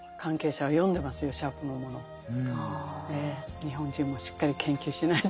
日本人もしっかり研究しないと。